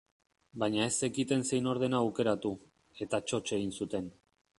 Baina ez zekiten zein ordena aukeratu, eta txotx egin zuten.